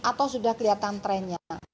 atau sudah kelihatan trennya